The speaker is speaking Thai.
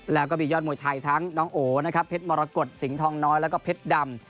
แล้วก็มียอดมวยไทยทั้งน้องโอนะครับเพชรมรกฏสิงห์ทองน้อยแล้วก็เพชรดำ